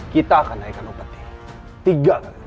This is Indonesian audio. kita akan menaikkan upeti tiga kali lipat